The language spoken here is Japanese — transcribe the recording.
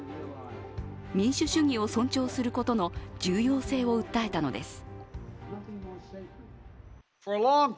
民主主義を尊重することの重要性を訴えたのです。